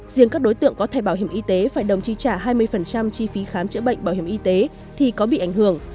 riêng các đối tượng có thẻ bảo hiểm y tế phải đồng chi trả hai mươi chi phí khám chữa bệnh bảo hiểm y tế thì có bị ảnh hưởng